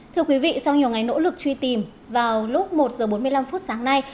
thưa quý vị sau nhiều ngày nỗ lực truy tìm vào lúc một h bốn mươi năm phút sáng nay